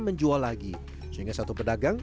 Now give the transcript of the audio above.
menjual lagi sehingga satu pedagang